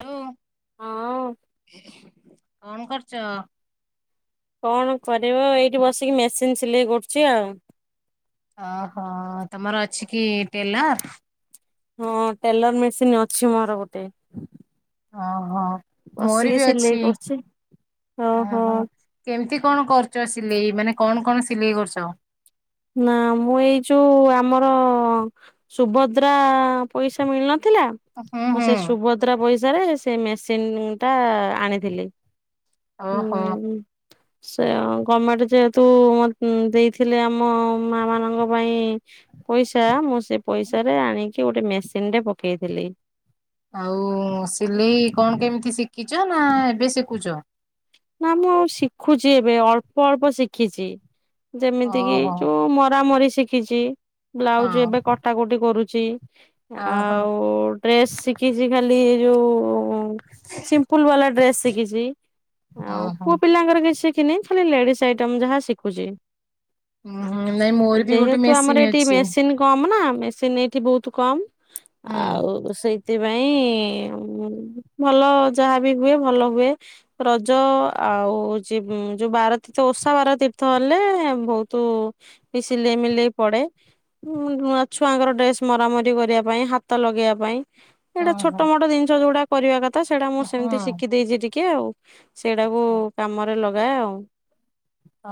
Hello ଅଁ କଣ କରୁଚ? କଣ କରିବ ଏଇଠି ବସିକି ମେସିନ୍ ସିଲେଇ କରୁଚି ଆଉ। ଅହ ତମର ଅଛି କି ଟେଲର? ହଁ ଟେଲର ମେସିନ୍ ଅଛି ମୋର ଗୋଟେ। ହଁ ହଁ ମୋର ବସିକି ବି ସିଲେଇ ଅଛି କରୁଛି। ଅ ଓହୋ ହ। କେମତି କଣ କରୁଚ ସିଲେଇ ମାନେ କଣ କଣ ସିଲେଇ କରୁଚ? ନା ମୁଁ ଏଇ ଯୋଉ ଆମର ସୁଭଦ୍ରା ପଇସା ମିଳିନଥିଲା। ହୁଁ ମୁଁ ହୁଁ ସେ ସୁଭଦ୍ରା ପଇସାରେ ସେ ମେସିନ ଟା ଆଣିଥିଲି। ଓହୋ। ହୁଁ ସେୟା ଗର୍ମେଣ୍ଟ ଯେହେତୁ ଦେଇଥିଲେ ଆ ଆମ ମା ମାନଙ୍କ ପାଇଁ। ପଇସା ମୁଁ ସେ ପଇସା ରେ ଆଣିକି ଗୋଟେ ମେସିନ ଟେ ପକେଇଥିଲି ଆଉ ସିଲେଇ କଣ କେମିତି ଶିଖିଛ ନା ଏବେ ଶିଖୁଚ। ନା ମୁଁ ଶିଖୁଛି ଏବେ ଅଳ୍ପ ଅଳ୍ପ ଶିଖିଛି। ଯେମିତି କିି ଓହୋ ଯୋଉ ମରା ମରି ଶିଖିଛି ହଁ ବ୍ଲାଉଜ ଏବେ କଟ କଟା କଟି କରୁଛି। ଅହୋ। ଡ୍ରେସ ଶିଖିଛି ଖାଲି ଯୋଉ ସିମ୍ପୁଲ ବାଲା ଡ୍ରେସ୍ ଶିଖିଛି। ଆଉ ଓହୋ। ପୁଅ ପିଲାଙ୍କର କିଛି ଶିଖିନି ଖାଲି ଲେଡିସ୍ ଆଇଟମ ଯାହା ଶିଖୁଛି। ହୁଁ ନାଇଁ ମୋର ବି ଗୋଟେ ଯେହେତୁ ଆମର ମେସିନ୍ ଏଠି ଅଛି ମେସିନ କମ ନା ମେସିନ୍ ଏଇଠି ବହୁତ କମ ହୁଁ ଆଉ ସେଇ ସେଥିପାଇଁ ଭଲ ଯାହାବି ହୁଏ ଭଲ ହୁଏ। ଯ ଆଉ ହଉଛି ଯୋଉ ବାରତୀର୍ଥ ଓଷା ବାରତୀର୍ଥ ହେଲେ ବହୁତୁ। ବି ସିଲେଇ ମିଲେଇ ପଡେ। ନୁଆଁ ଛୁଆଙ୍କର ଡ୍ରେସ ମରାମରି କରିବା ପାଇଁ ହାତ ଲଗେଇବା ପାଇଁ। ଏଇଟା ଓହୋ ଛୋଟ ମୋଟ ଜିନିଷ ଯୋଉଟା କରିବା କଥା ସେଇଟା ମୁଁ ସେମିତି ହଁ। ଶିଖି ଦେଇଛି ଟିକେ ଆଉ। ସେଇଟାକୁ କାମରେ ଲଗାଏ ଆଉ।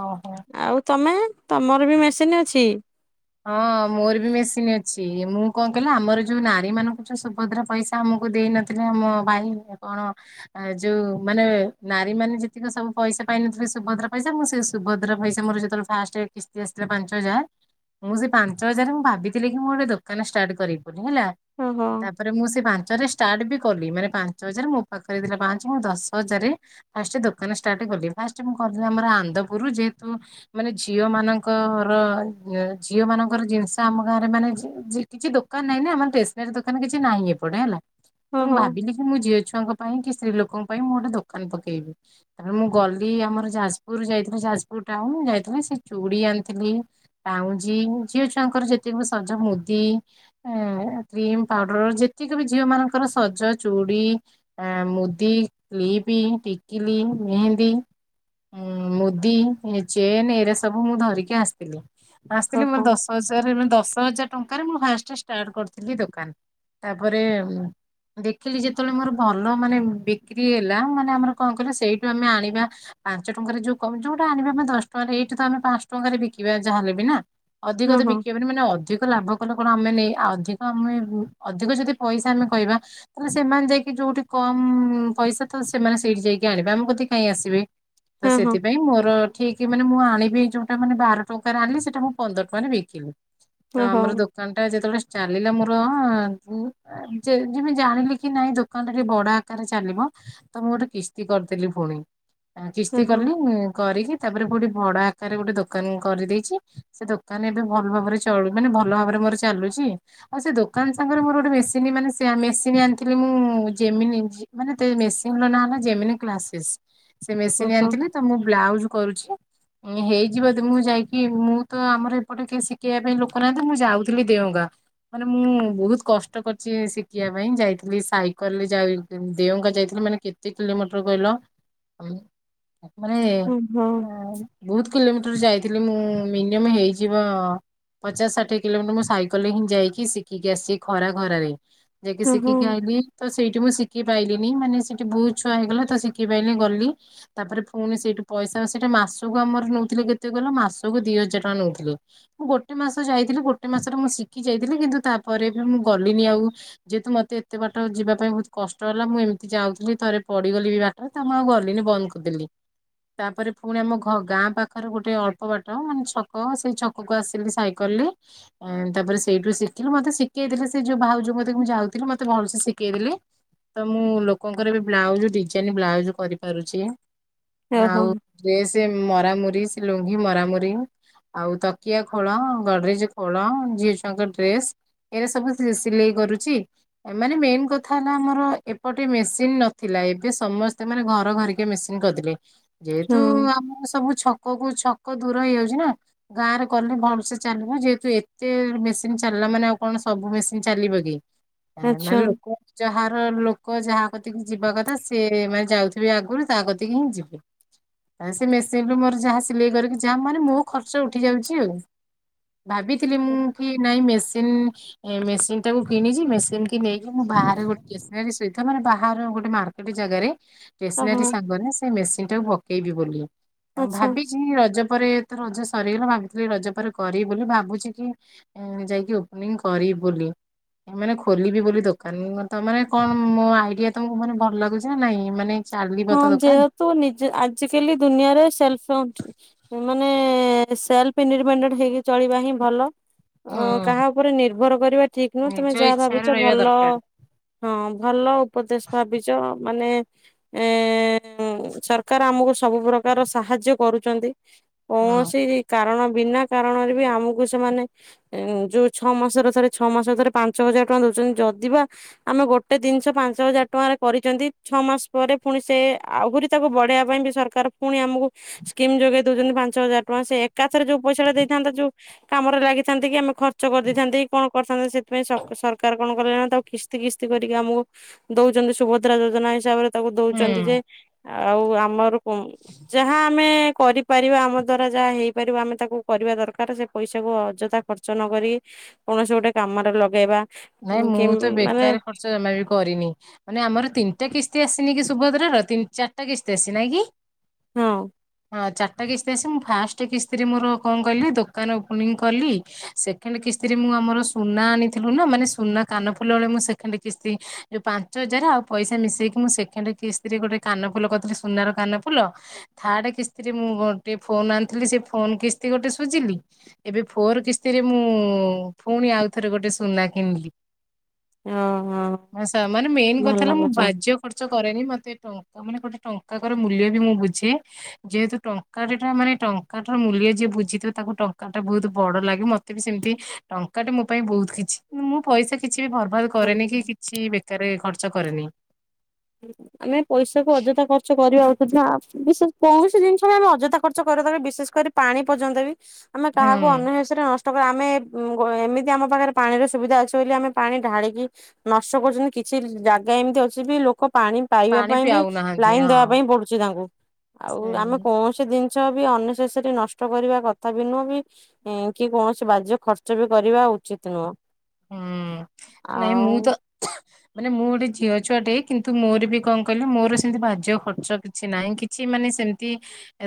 ଓହୋ। ଆଉ ତମେ ତମର ବି ମେସିନି ଅଛି? ହଁ ମୋର ବି ମେସିନ୍ ଅଛି ମୁଁ କଣ କହିଲ ଆମର ଯୋଉ ନାରୀ ମାନଙ୍କୁ ଯୋଉ ସୁଭଦ୍ରାପଇସା ଆମକୁ ଦେଇ ନଥିଲେ ଆମ ଭାଇ କଣ ଆ ଯୋଉ ମାନେ ନାରୀ ମାନେ ଯେତିକି ସବୁ ପଇସା ପାଇନଥିଲେ ସୁଭଦ୍ରା ପଇସା ମୁଁ ସେ ସୁଭଦ୍ରା ପଇସା ମୋର ଯେତେବେଳେ ଫାଷ୍ଟ କିସ୍ତି ଆସିଥିଲା ପାଞ୍ଚ ହଜାର। ମୁଁ ସେ ପାଞ୍ଚ ହଜାରେ ମୁଁ ଭାବିଥିଲି କି ମୁଁ ଗୋଟେ ଦୋକାନ ଷ୍ଟାର୍ଟ କରିବି ବୋଲି ହେଲା। ଓହୋ। ତାପରେ ମୁଁ ସେ ପାଞ୍ଚ ରେ ଷ୍ଟାର୍ଟ ବି କଲି ମାନେ ପାଞ୍ଚ ହଜାର ମୋ ପାଖରେ ଥିଲା ପାଞ୍ଚ ମୁଁ ଦଶ ହଜାରେ। ଫାଷ୍ଟ ଦୋକାନ ଷ୍ଟାର୍ଟ କଲି ଫାଷ୍ଟ ମୁଁ କଲି ଆମର ଆନ୍ଦପୁରୁ ଯେହେତୁ ମାନେ ଝିଅ ମାନଙ୍କର ଇଏ। ଝିଅ ମାନଙ୍କର ଜିନିଷ ଆମ ଗାଁରେ ମାନେ କିଛି ଦୋକାନ ନାହିଁ ନା ଆମର ଟେସନାରୀ ଦୋକାନ କିଛି ନାହିଁ ଏପଟେ ହେଲା। ତ ମୁଁ ଓହୋ ଭାବିଲି କି ମୁଁ ଝିଅ ଛୁଆଙ୍କ ପାଇଁ କି ସ୍ତ୍ରୀ ଲୋକଙ୍କ ପାଇଁ ମୁଁ ଗୋଟେ ଦୋକାନ ପକେଇବି। ତାପରେ ମୁଁ ଗଲି ଆମର ଯାଜପୁର ଯାଇଥିଲି ଯାଜପୁର ଟାଉନ ଯାଇଥିଲି ସେ ଚୁଡି ଆଣିଥିଲି। ପାଉଁଜି ଝିଅ ଛୁଆଙ୍କର ଯେତିକି ସଜ ମୁଦି। ଏଁ କ୍ରିମ ପାଉଡର ଯେତିକି ବି ଝିଅ ମାନଙ୍କର ସଜ ଚୁଡି। ଆଁ ମୁଦି, କ୍ଲିପି, ଟିକିଲି, ମେହେନ୍ଦି। ଉଁ ମୁଦି ଚେନ ଏରା ସବୁ ମୁଁ ଧରିକି ଆସିଥିଲି ଆସିଥିଲି ଓହୋ ମୋର ଦଶ ଦ ହଜାର ଦଶ ହଜାର ଟଙ୍କାରେ ମୁଁ ଫାଷ୍ଟ ଷ୍ଟାର୍ଟ କରିଥିଲି ଦୋକାନ ତାପରେ। ଦେଖିଲି ଯେତେବେଳେ ମୋର ଭଲ ମାନେ ବିକ୍ରି ହେଲା ମାନେ ଆମର କଣ କଈଲ ସେଇଠୁ ଆମେ ଆଣିବା। ପାଞ୍ଚ ଟଙ୍କାରେ ଯୋଉ କମ ଯୋଉଟା ଆଣିବା ଆମେ ଦଶ ଟଙ୍କାରେ ଏଇଠି ତ ଆମେ ପାଞ୍ଚ ଟଙ୍କାରେ ବିକିବା ଯାହା ହେଲେ ବି ନା। ଅଧିକ ତ ଓହୋ ବିକି ହବନି ମାନେ ଅଧିକ ଲାଭ। କଣ ଆମେ ମାନେ ଅଧିକ ଆମେ ଅଧିକ ଯଦି ପଇସା ଆମେ କହିବା। ତାହେଲେ ସେମାନେ ଯାଇକି ଯୋଉଠି କମ୍ ପଇସା ଥିବ ସେମାନେ ସେଇଠି ଯାଇକି ଆଣିବେ ଆମେ ଗତି କାହିଁ ଆସିବେ। ତ ଓହୋ ସେଥିପାଇଁ ମୋର ଠିକ ମାନେ ମୁଁ ଆଣିବି ଯୋଉଟା ମାନେ ବାର ଟଙ୍କାରେ ଆଣଲି ସେଟା ମୁଁ ପନ୍ଦର ଟଙ୍କାରେ ବିକିଲି ତ ଓହୋ ଆମର ଦୋକାନ ଟା ଯେତେବେଳେ ଚାଲିଲା ମୋର ଆଗୁ ଯେ ଯେବେ ଜାଣିଲି କି ନାଇଁ ଦୋକାନ ରେ ବଡ ଆକାରରେ ଚାଲିବ। ତ ମୁଁ ଗୋଟେ କିସ୍ତି କରିଦେଲି ଫୁଣି। ଆ କିସ୍ତି ଓହୋ କଲି କରିକି ତାପରେ ଗୋଟେ ବଡ ଆକାରରେ ଗୋଟେ ଦୋକାନ କରିଦେଇଚି। ସେ ଦୋକାନ ଏବେ ଭଲ ଭାବରେ ଚଳୁ ମନେ ଭଲ ଭାବରେ ମୋର ଚାଲୁଛି। ଆଉ ସେ ଦୋକାନ ସାଙ୍ଗରେ ମୋର ଗୋଟେ ମେସିନ ମାନେ ମେସିନ ଆଣିଥିଲି ମୁଁ ଯେମିନି ମି ମାନେ ମେସିନ୍ ର ନାଆ ହେଲା, ଯେମିିନି କ୍ଲାସେସ। ସେ ମେସିନ୍ ଓହୋ। ଆଣିଥିଲେ ତ ମୁଁ ବ୍ଲାଉଜ କରୁଛି। ହେଇଯିବ ଯଦି ଯାଇକି ମୁଁ ତ ଆମର ଏପଟେ କେହି ଶିଖେଇବା ପାଇଁ ଲୋକ ନାହାନ୍ତି। ମୁଁ ଯାଉଥିଲି ଦେଓଙ୍ଗା। ମାନେ ମୁଁ ବହୁତ କଷ୍ଟ କରିଛି ଶିଖିବା ପାଇଁ, ଯାଇଥିଲି ସାଇକେଲରେ ଯାଇ ଦେଓଙ୍ଗା ଯାଇଥିଲି। ମାନେ କେ ତିକଲେମିଟର କଇଲ? ମାନେ ଓହୋ ବହୁତ କିଲୋମିଟର ଯାଇଥିଲି। ମୁଁ ମିନିୟମ ହେଇଯିବ ପଚାଶ ଷାଠିଏ କିଲୋମିଟର ମୁଁ ସାଇକେଲ ରେ ହିଁ ଯାଇକି ଶିଖିକି ଆସିି ଖରା ଖରାରେ। ଯାଇକି ଓହୋ ଶିଖିକି ଆଇଲି। ତ ସେଇଠି ମୁଁ ଶିଖି ପାଇଲିିନି ମାନେ ସେଇଠି ବହୁତ ଛୁଆ ହେଇଗଲା ତ ଶିଖି ପାଇଲିିନି ଗଲି ତାପରେ ପୁଣି ସେଇଠୁ ପଇସା ସେଇଟା ମାସକୁ ଆମର ନେଉଥିଲେ କେତେ କହିଲ ମାସକୁ ଦିଇ ହଜାର। ନଉଥିଲେ ମୁଁ ଗୋଟେ ମାସ ଯାଇଥିଲି ଗୋଟେ ମାସରେ ମୁଁ ଶିଖି ଯାଇଥିଲି। କିନ୍ତୁ ତାପରେ ମୁଁ ଗଲିନି ଆଉ ଯେହେତୁ ମତେତେ ବା ପାଠ ଯିବା ପାଇଁ ବହୁତ କଷ୍ଟ ହେଲା। ମୁଁ ଏମିତି ଯାଉଥିଲି ଥରେ ପଡିଗଲି ବି ତ ମୁଁ ଆଉ ଗଲିନି ବନ୍ଦ କରିଦେଲି। ତାପରେ ପୁଣି ଆମ ଘ ଗାଁ ପାଖରେ ଗୋଟେ ଅଳ୍ପ ବାଟ ମାନେ ହଁ ସେଇ ଛକ କୁ ଆସିଲି ସାଇକେଲରେ। ତାପରେ ସେଇଠୁ ଶିଖିଲି ମତେ ଶିଖେଇ ଦେଲେ। ସେ ଯୋଉ ଭାଉଜ ଯୋଉ ମତେ ମୁଁ ଯାଉଥିଲି ମତେ ଭଲସେ ଶିଖେଇ ଦେଲେ। ତ ମୁଁ ଲୋକଙ୍କର ବି ବ୍ଲାଉଜ ଡିଜାଇନ ବ୍ଲାଉଜ କରିପାରୁଚି। ଓହୋ ଆଉ ତ୍ରେସ ମରାମୁରି, ଲୁଙ୍ଗି ମରାମୁରି ଆଉ ତକିଆ ଖୋଳ, ଗଡରେଜ ଖୋଳ, ଝିଅଛୁଆଙ୍କ ଡ୍ରେସ, ଏଇରା ସବୁ ସିଲେଇ କରୁଚି। ମାନେ ମେନ୍ କଥା ହେଲା ଆମର ଏପଟେ ମେସିନ ନଥିଲା ଏବେ ସମସ୍ତେ ମାନେ ଘର ଘରେ କେ ମେସିନ୍ କରିଦେଲେ। ଯେହେତୁ ହଁ ଆମର ସବୁ ଛକ କୁ ଛକ ଦୂର ହେଇଯାଉଛି ନା। ଗାଁ ରେ କଲେ ଭଲସେ ଚାଲିବ। ଯେହେତୁ ଏତେ ମେସିନ ଚାଲିଲା ମାନେ ଆଉ କଣ ସବୁ ମେସିନ ଚାଲିବ କି? ଆ ଆଚ୍ଛା ମାନେ ଲୋକ ଯାହାର ଲୋକ ଯାହା କତିକି ଯିବା କଥା ସେ ମାନେ ଯାଉଥିବେ ଆଗରୁ ତାହା କତିକି ହିଁ ଯିବେ। ଆ ସେ ମେସିନରୁ ମୋର ଯାହା ସିଲେଇ କରିକି ଯାହା ମାନେ ମୋ ଖର୍ଚ ଖର୍ଚ୍ଚ ଉଠି ଯାଉଚି ଆଉ ଭାବିଥିଲି ମୁଁ କି ନାଇଁ ମେସିନ ଏ ମେସିନ ଟାକୁ କିଣି ଚି ମେସିନ କି ନେଇକି ମୁ ବାହାରେ ଟ୍ରେସେନାରୀ ସହିତ ମାନେ ବାହାର ଗୋଟେ ମାର୍କେ ଗୋଟେ ଜାଗାରେ ଓହୋ ଷ୍ଟେସନାରୀ ସାଙ୍ଗରେ ସେ ମେସିନ ଟାକୁ ପକେଇବି ବୋଲି। ଆ ଆଚ୍ଛା ଭାବିଛି ରଜ ପରେ ତ ରଜ ସରିଗଲା ଭାବିଥିଲି ରଜ ପରେ କରିବ ବୋଲି ଭାବୁଛି କି ଯାଇକି ଓପନିଂ କରି ବି ବୋଲି। ମାନେ ଖୋଲିବି ବୋଲି ଦୋକାନ ତ ମାନେ କଣ ମୋ ଆଇଡିଆ ତମକୁ ମାନେ ଭଲ ଲାଗୁଛି ନା ନାଇଁ ମାନେ ଚାଲିବ ହଁ ତ ଦୋକାନ? ଯେହେତୁ ନିଜ ଆଜିକାଲି ଦୁନିଆରେ ସେଲଫଣ୍ଟ ମାନେ ସେଲ୍ଫ ଇଣ୍ଡିପେଣ୍ଡେଣ୍ଟ ହେଇକି ଚଳିବା ହିଁ ଭଲ। ଅ ହଁ କାହା ଉପରେ ନିର୍ଭର କରିବା ଠିକ୍ ନୁହଁ ତମେ ନିଜ ଯାହା ଇଚ୍ଛାରେ ଭାବିଛ ରହିବା ଭଲ। ଦରକାର ହଁ ଭଲ ଉପଦେଶ ଭାବିଛ। ମାନେ ଏ ଉଁ ସରକାର ଆମକୁ ସବୁ ପ୍ରକାର ସାହାଯ୍ୟ କରୁଚନ୍ତି। ହୁଁ। କୌଣସି କାରଣ ବିନା କାରଣରେ ବି ଆମକୁ ସେମାନେ ଯୋଉ ଛଅ ମାସର ଥରେ ଛଅ ମାସ ଥରେ ପାଞ୍ଚ ହଜାର ଟଙ୍କା ଦଉଛନ୍ତି। ଯଦିବା ଆମେ ଗୋଟେ ଜିନିଷ ପାଞ୍ଚ ହଜାର ଟଙ୍କାରେ କରି ଚନ୍ତି। ଛଅ ମାସ ପରେ ପୁଣି ସେ ଆହୁରି ତାକୁ ବଢେଇବା ପାଇଁ ବି ସରକାର ପୁଣି ଆମକୁ ସ୍କିମ୍ ଯୋଗେଇ ଦଉଚନ୍ତି। ପାଞ୍ଚ ହଜାର ଟଙ୍କା ସେ ଏକାଥରେ ଯୋଉ ପଇସା ଦେଇଥାନ୍ତା ଯୋଉ କାମରେ ଲାଗିଥାନ୍ତି କି ଆମେ ଖର୍ଚ୍ଚ କରିଦେଇଥାନ୍ତେକି କଣ କରିଥାନ୍ତେ ସେଥିପାଇଁ ସର ସରକାର କଣ କଲେ ନା ତାକୁ କିସ୍ତି କିସ୍ତି କରିକି ଆମକୁ ଦଉଛନ୍ତି ସୁଭଦ୍ରା ଯୋଜନା ହିସାବରେ ତାକୁ ଦଉଛନ୍ତି ଯେ ହୁଁ ଆଉ ଆମର କଣ? ଯାହା ଆମେ କରି ପାରିବା ଆମ ଦ୍ଵାରା ଯାହା ହେଇପାରିବ ଆମେ ତାକୁ କରିବା ଦରକାର। ସେ ପଇସାକୁ ଅଯଥା ଖର୍ଚ୍ଚ ନ କରି କୌଣସି ଗୋଟେ କାମରେ ଲଗେଇବା। ନାଇଁ ମୁଁ କି ତ ମାନେ ବେକାର ଖର୍ଚ୍ଚ ଜମା ବି କରିନି। ମାନେ ଆମର ତିନିଟା କିସ୍ତି ଆସିନିକି ସୁଭଦ୍ରାର ତିନି ଚାରିଟା କିସ୍ତି ଆସିଚି ନାଇଁକି। ହଁ। ହଁ ଚାରିଟା କିସ୍ତି ଆସିଚି ମୁଁ ଫାଷ୍ଟେ କିସ୍ତିରେ ମୋର କଣ କଇଲେ ଦୋକାନ ଓପନିଂ କଲି ସେକେଣ୍ଡ କିସ୍ତିରେ ମୁଁ ଆମର ସୁନା ଆଣିଥିଲୁନା ମାନେ ସୁନା କାନ ଫୁଲ ହଳେ ମୁଁ ସେକେଣ୍ଡ କିସ୍ତି ଯୋଉ ପାଞ୍ଚ ହଜାର ଆଉ ପଇସା ମିଶେଇକି ମୁଁ ସେଣ୍ଡ କିସ୍ତିରେ ଗୋଟେ କାନଫୁଲ କରିଥିଲି ସୁନାର କାନ ଫୁଲ ଥାର୍ଡ କିସ୍ତିରେ ମୁଁ ଗୋଟେ ଫୋନ୍ ଆଣିଥିଲି ସେ ଫୋନ୍ କିସ୍ତି ଗୋଟେ ସୁୁଜିଲି। ଏବେ ଫୋର କିସ୍ତିରେ ମୁଁ ଫୁଣି ଆଉ ଥରେ ଗୋଟେ ସୁନା କିଣିଲି। ଓହୋ। ମୋ ସା ମାନେ ମେନ୍ କଥା ହେଲା ମୁଁ ବାଜ୍ୟ ଖର୍ଚ୍ଚ କରେନି ମତେ ଟଙ୍କା ମାନେ ଗୋଟେ ଟଙ୍କାର ମୂଲ୍ୟବି ମୁଁ ବୁଝେ। ଯେହେତୁ ଟଙ୍କାଟ ଟା ମାନେ ଟଙ୍କାଟାର ମୂଲ୍ୟ ଯିଏ ବୁଝିଥିବ ତାକୁ ଟଙ୍କାଟା ବହୁତ୍ ବଡ଼ ଲାଗେ ମତେ ମତେବି ସେମିତି ଟଙ୍କାଟେ ମୋ ପାଇଁ ବହୁତ୍ କିଛି ମୁଁ ପଇସା କିଛିବି ବର୍ବାଦ କରେନିକି କିଛି ବେକାର ଖର୍ଚ୍ଚ କରେନି। [inaudible] ଆମେ ପଇସାକୁ ଅଯଥା ଖର୍ଚ୍ଚ କରିବା ଅପେକ୍ଷା ବିସେ କୌଣସି ଜିନିଷବି ଆମେ ଅଯଥା ଖର୍ଚ୍ଚ କରିବାର ବିଶେଷ କରି ପାଣି ପର୍ଯ୍ୟନ୍ତବି ଆମେ ହୁଁ କାହାକୁ ଅନ୍ୟସରେ ନଷ୍ଟ ତ ଆମେ ଏମିତି ଆମ ପାଖରେ ପାଣିର ସୁବିଧା ଅଛି ବୋଲି ଆମେ ପାଣି ଢାଳିକି ନଷ୍ଟ କରୁଚନ୍ତି କିଛି ଜାଗା ଏମିତି ଅଛିବି ଲୋ ଲୋକ ପାଣି ପାଇବା ପାଣି ପାଇଁବି ପିଆଉନାହାନ୍ତି ଲାଇନ୍ ଦେବା ହଁ। ପାଇଁ ପଡୁଛି ତାଙ୍କୁ ଆଉ ସେ ଆମେ କୌଣସି ସି ଜିନିଷବି ଅନ୍ୟଶେଷରେ ନଷ୍ଟ କରିବା କଥାବି ନୁହଁ ବି ହୁଁ କିକୌଣସି ବାଜ୍ୟ ଖର୍ଚ୍ଚବି କରିବା ଉଚିତ ନୁହଁ। ହୁଁ ନାଇଁ ଆଉ ମୁଁ ତ ମାନେ ମୁଁ ଗୋଟେ ଝିଅ ଛୁଆଟେ କିନ୍ତୁ ମୋରବି କଣ କହିଲି ମୋର ସେମିତି ବାଜ୍ୟ ଖର୍ଚ୍ଚ କିଛି ନାହିଁ କି କିଛି ମାନେ ସେମିତି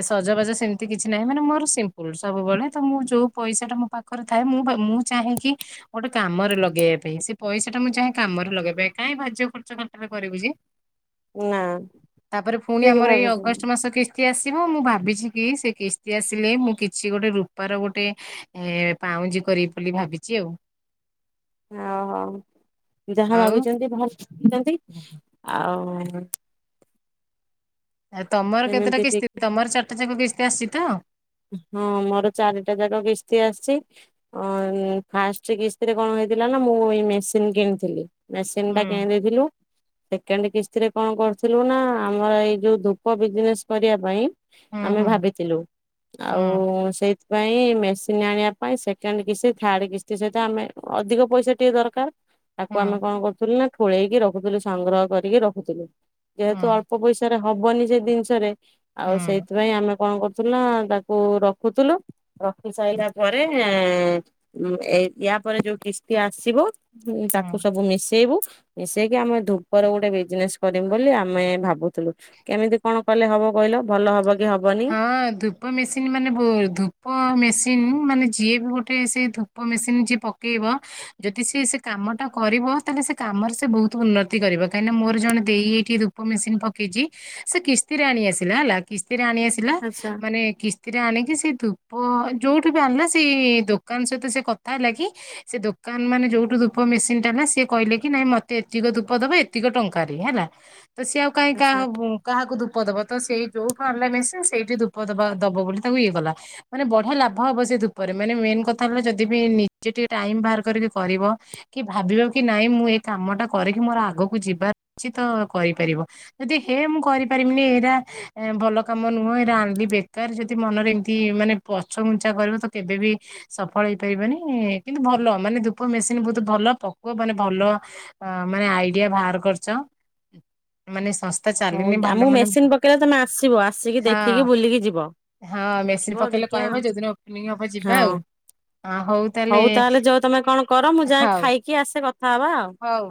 ଏ ସଜବାଜ ସେମିତି କିଛି ନାହିଁ ମାନେ ମୋର ସିମ୍ପୁଲ ସବୁବେଳେ ତ ମୁଁ ଯୋଉ ପଇସାଟା ମୋପାଖ ଖରେଥାଏ ମୁଁ ମୁଁ ଚାହେକି ଗୋଟେ କାମରେ ଲଗେଇବା ପାଇଁ ସେ ପଇସାଟା ମୁଁ ଯାହା କାମରେ ଲଗେଇବା ପାଇଁ କାଇଁ ଭାଜ୍ୟ ଖର୍ଚ ଖାଲିଟାରେ କରିବୁ ଯେ। ନା ତାପରେ ପୁଣି ଠିକ ଆମର ଏଇ ଭାବିଛନ୍ତି ଅଗଷ୍ଟ ମାସ କି କିସ୍ତି ଆସିବ ମୁଁ ଭାବିଛିକି ସେ କିସ୍ତି ଆସିଲେ ମୁଁ କିଛି ଗୋଟେ ରୂପାର ଗୋଟେ ଏ ପାଉଁଜି କରିବି ବୋଲି ଭାବିଚି ଆଉ। ଓହୋ ଯାହା ଆଉ ଭାବିଛନ୍ତି ଭଲ ଭାବଛନ୍ତି ଆଉ ଆଉ ତମର କେତେଟା ସେମିତି ଠିକ କିସ୍ତି ତମର ଚାରିଟା ଯାକ କିସ୍ତି ଆସିଚିତ? ହଁ ମୋର ଚାରିଟା ଯାକ କିସ୍ତି ଆସିଚି। ଅଁ ଫାଷ୍ଟେ କିସ୍ତିରେ କଣ ହେଇଥିଲା ନା ମୁଁ ଏଇ ମେସିନ୍ କିଣିଥିଲି। ମେସିନ୍ ଟା ହୁଁ କିଣି ଦେଇଥିଲୁ। ସେକେଣ୍ଡ କିସ୍ତିରେ କଣ କରୁଥିଲୁନା ଆମର ଏଇ ଯଉ ଧୂପ ବିଜନେସ୍ କରିବା ପାଇଁ ହୁଁ ଆମେ ହୁଁ ଭାବିଥିଲୁ ହୁଁ ଆଉ ସେଇ ସେଥିପାଇଁ ମେସିନ୍ ଆଣିବା ପାଇଁ ସେକେଣ୍ଡ କିସ୍ତି ଥାର୍ଡ କିସ୍ତି ସହିତ ଆମେ ଅଧିକ ପଇସା ଟିକେ ଦରକାର୍ ତାକୁ ହୁଁ ଆମେ କଣ କରୁଥିଲୁନା ଠୋଳେଇକି ରଖୁଥିଲୁ ସଂଗ୍ରହ କରିକି ରଖୁଥିଲୁ ହୁଁ ଯେହେତୁ ଅଳ୍ପ ପଇସା ରେ ହବନି ସେଜିନିଷରେ ଆଉ ହୁଁ ସେଇଥିପାଇଁ ଆମେ କଣ କରୁଥିଲ ତାକୁ ରଖୁଥିଲୁ। ରଖି ସାରିଲା ପରେ ଏ ୟା ପରେ ଯୋଉ କିସ୍ତି ଆସିବ ତାକୁ ହୁଁ ସବୁ ମିଶେଇବୁ ମିସେଇକି ଆମେ ଧୂପର ଗୋଟେ ବିଜନେସ୍ କରିମୁ ବୋଲି ଆମେ ଭାବୁଥିଲୁ। କେମିତି କଣ କଲେ ହବ କହିଲ ଭଲ ହବକି ହବନି? ହଁ ଧୂପ ମେସିନ୍ ମାନେ ଧୂପ ମେସିନ୍ ମାନେ ଯିଏବି ଗୋଟେ ସେଇ ଧୂ ଧୂପ ମେସିନ୍ ଯିଏ ପକେଇବ ଯଦି ସିଏ ସେକାମଟା କରିବ ତାହେଲେ ସେ କାମରେ ସେ ବହୁତ୍ ଉନ୍ନତି କରିବ କାହିଁକିନା ମୋର ଜଣେ ଦେଇ ଏଇଠି ଦୁ ମେସିନ୍ ପକେଇଚି ସେ କିସ୍ତିରେ ଆଣି ଆସିଲା ହେଲା କିସ୍ତିରେ ଆଣି ଆସି ଆଚ୍ଛା। ମାନେ କିସ୍ତିରେ ଆଣିକି ସେ ଧୂପ ଯେଉଠୁବି ଆଣିଲା ସେଇ ଦୋକାନ ସହିତ ସେ କଥା ହେଲା କି ସେ ଦୋକାନ ମାନେ, ଯୋଉଠୁ ଧୂପ ମେସିନ ଟା ହେଲା। ସିଏ କହିଲେ କି, ନାଇଁ ମତେ ଏତିକ ଧୂପ ଦବ, ଏତିକ ଟଙ୍କାରେ ହେଲା। ତ ସିଏ ଆଉ କାହିଁ ଆଚ୍ଛା କାହାବ କାହାକୁ ଧୂପ ଦବ, ତ ସେଇ ଯୋଉଠୁ ଆଣିଲେ ମେସିନ୍, ସେଇଠି ଧୂପ ଦବା, ଦବ, ବୋଲି ତାକୁ ଇଏ କଲା। ମାନେ, ବଢିଆ ଲାଭ ହବ ସେ ଧୁପରେ। ମାନେ, ମେନ୍ କଥା ହେଲା ଯଦି ବି ନିଜେ ଟିକେ ଟାଇମ ବାହାର କରିକି କରିବ। କି ଭାବିବ କି, ନାଇଁ ମୁଁ ଏ କାମ ଟା କରିକି ମୋର ଆଗକୁ ଯିବା ଉଚିତ ତ କରିପାରିବ। ଯଦି ହେ, ମୁଁ କରିପାରିବିନି ଏଇଟା ଭଲ କାମ ନୁହଁ। ଆଣିଲି ବେକାର, ଯଦି ମନରେ ଏମିତି ମାନେ, ପଛଗୁଞ୍ଚା କରିବ। ତ କେବେ ବି, ସଫଳ ହେଇପାରିବନି। କିନ୍ତୁ, ଭଲ ମାନେ ଧୂପ ମେସିନ ବହୁତ ଭଲ। ପକଅ ମାନେ ଭଲ, ହଁ ମାନେ ଆଇଡିଆ ବାହାର କରିଚ। ମାନେ ସଂସ୍ଥା ଚାଲିନି। ଭଲ ମାନେ, କେବେ ତମେ ଆସିବ? ଆସିକି ହଁ ଦେଖିକି ବୁଲିକି ଯିବ। ହଁ ମେସିନ ଦେଖିବ, ପକେଇଲେ ଦେଖିବା, କହିବ ଯୋଉଦିନ ଓପନିଂ ହବ ଯିବା ହଁ। ଆଉ। ହଉ ତାହେଲେ ଯଅ ତମେ କଣ କର। ମୁଁ ଯାଏ, ହଉ ଖାଇକି ଆସେ କଥା ହବା ଆଉ। ହଉ।